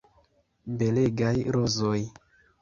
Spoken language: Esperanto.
Belegaj rozoj.